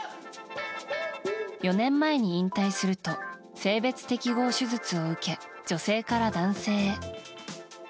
４年前に引退すると性別適合手術を受け女性から男性へ。